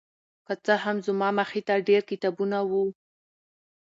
که څه هم زما مخې ته ډېر کتابونه وو